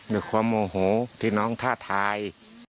มีความโมโหที่น้องท่าทาย